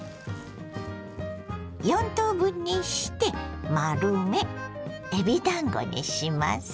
４等分にして丸めえびだんごにします。